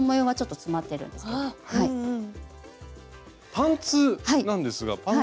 パンツなんですがパンツも。